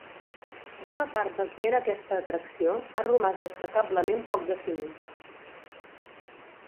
Bona part del que era aquesta atracció ha romàs destacablement poc definit.